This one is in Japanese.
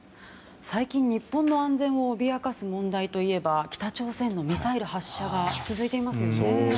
最近、日本の安全を脅かす問題といえば北朝鮮のミサイル発射が続いていますよね。